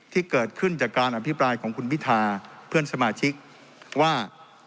ที่เกิดขึ้นจากการอภิปรายของคุณพิธาเพื่อนสมาชิกว่า